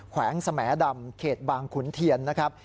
แวงสแหมดำเขตบางขุนเทียนนะครับ